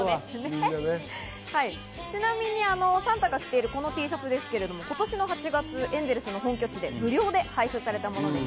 ちなみにサンタが着ているこのＴシャツですけれど、今年の８月エンゼルスの本拠地で無料で配布されたものです。